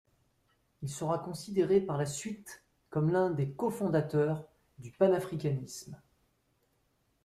Il sera considéré par la suite comme l’un des cofondateurs du panafricanisme.